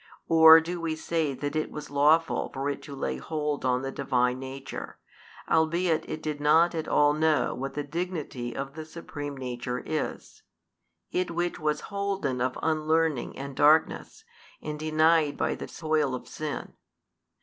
Or do we say that it was lawful for it to lay hold on the Divine Nature, albeit it did not at all know what the Dignity of the Supreme Nature is, it which was holden of unlearning and darkness, and denied by the soil of sin?